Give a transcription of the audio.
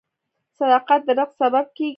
• صداقت د رزق سبب کیږي.